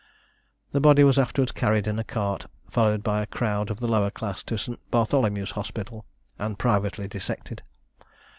The body was afterwards carried in a cart, followed by a crowd of the lower class, to St. Bartholomew's Hospital, and privately dissected.